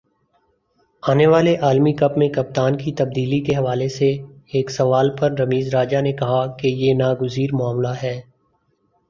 آنے والے عالمی کپ میں کپتان کی تبدیلی کے حوالے سے ایک سوال پر رمیز راجہ نے کہا کہ یہ ناگزیر معاملہ ہے